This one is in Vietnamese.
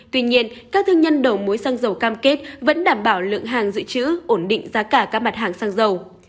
tuy nhiên các thương nhân đầu mối xăng dầu cam kết vẫn đảm bảo lượng hàng dự trữ ổn định giá cả các mặt hàng xăng dầu